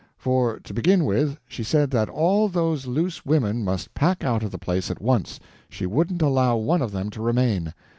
For, to begin with, she said that all those loose women must pack out of the place at once, she wouldn't allow one of them to remain.